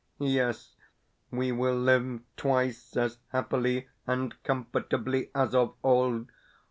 Yes, we will live twice as happily and comfortably as of old.